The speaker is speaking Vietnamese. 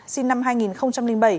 sinh năm hai nghìn bảy